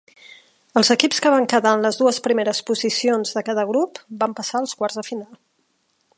Els equips que van quedar en les dues primeres posicions de cada grup van passar als quarts de final.